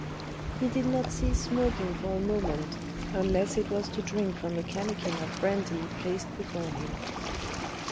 He did not cease smoking for a moment, unless it was to drink from a cannikin of brandy placed before him.